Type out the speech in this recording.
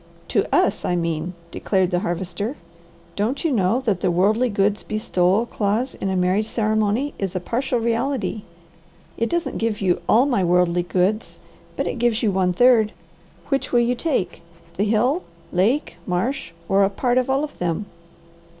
"To us, I mean," declared the Harvester. "Don't you know that the 'worldly goods bestowal' clause in a marriage ceremony is a partial reality. It doesn't give you 'all my worldly goods,' but it gives you one third. Which will you take, the hill, lake, marsh, or a part of all of them."